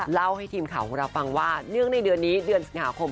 เล่าให้ทีมข่าวของเราฟังว่าเนื่องในเดือนนี้เดือนสิงหาคม